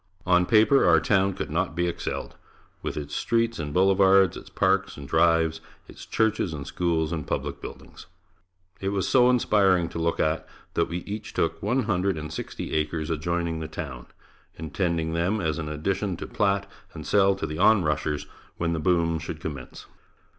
On paper our town could not be excelled, with its streets and boulevards, its parks and drives, its churches and schools and public buildings. It was so inspiring to look at, that we each took one hundred and sixty acres adjoining the town, intending them as an addition to plat and sell to the on rushers when the boom should commence.